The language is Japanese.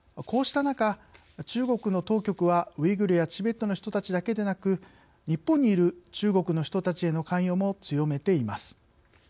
こうした中、中国の当局はウイグルやチベットの人たちだけでなく日本にいる中国の人たちへの関与も強めています。